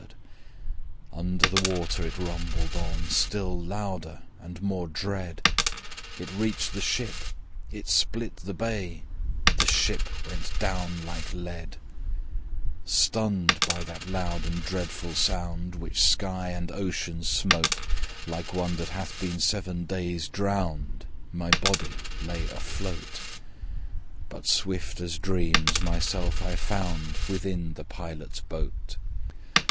The ship suddenly sinketh. Under the water it rumbled on, Still louder and more dread: It reached the ship, it split the bay; The ship went down like lead. The ancient Mariner is saved in the Pilot's boat. Stunned by that loud and dreadful sound, Which sky and ocean smote, Like one that hath been seven days drowned My body lay afloat; But swift as dreams, myself I found Within the Pilot's boat.